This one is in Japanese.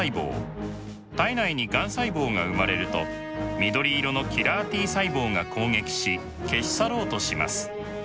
体内にがん細胞が生まれると緑色のキラーＴ細胞が攻撃し消し去ろうとします。